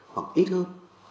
hoặc ít hơn